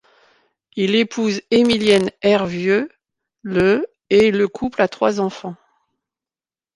Il épouse Émilienne Hervieux le et le couple a trois enfants..